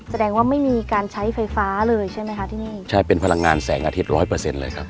แสดงว่าไม่มีการใช้ไฟฟ้าเลยใช่ไหมคะที่นี่ใช่เป็นพลังงานแสงอาทิตยร้อยเปอร์เซ็นต์เลยครับ